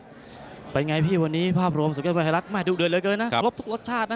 เป็นอย่างไรพี่วันนี้ภาพรวมสุขีระวัยธรรมนี่มาให้ดูโดยเลยเกินนะรอบทุกรสชาตินะ